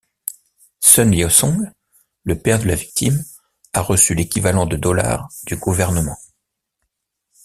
Sun Liusong, le père de la victime, a reçu l'équivalent de dollars du gouvernement.